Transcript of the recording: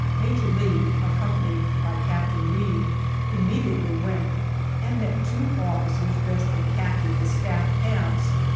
Major Lee, accompanied by Captain Reid, immediately went, and met two officers dressed in khaki with Staff tabs.